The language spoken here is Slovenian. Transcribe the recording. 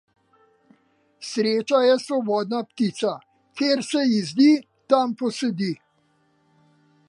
Sreča je svobodna ptica; kjer se ji zdi, tam posedi.